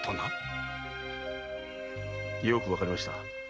よくわかりました。